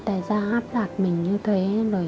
tại sao áp lạc mình như thế